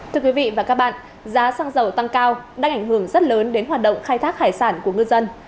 thưa quý vị và các bạn giá xăng dầu tăng cao đang ảnh hưởng rất lớn đến hoạt động khai thác hải sản của ngư dân